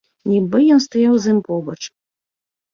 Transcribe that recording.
Нібы ён стаяў з ім побач.